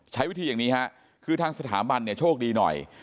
ใช้วิธีอย่างนี้ฮะคือทางสถาบันเนี่ยโชคดีหน่อย